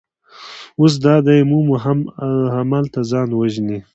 اوس دا دی مومو هم هملته ځان وژني.